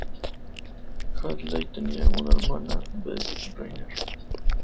Hadley tenía una hermana, Bess Brenner.